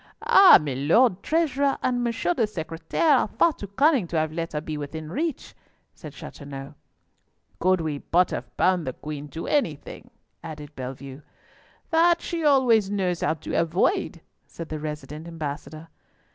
"Ah! Milord Treasurer and M. le Secretaire are far too cunning to have let her be within reach," said Chateauneuf. "Could we but have bound the Queen to anything," added Bellievre. "That she always knows how to avoid," said the resident ambassador.